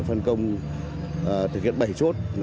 phân công thực hiện bảy chốt